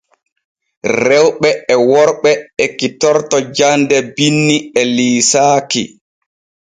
Rewɓe e worɓe ekkitorto jande binni e liisaaki.